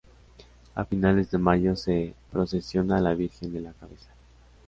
A finales de mayo se procesiona a la Virgen de la Cabeza.